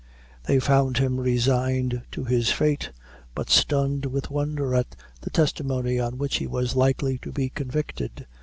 They found him resigned to his fate, but stunned with wonder at the testimony on which he was likely to be convicted.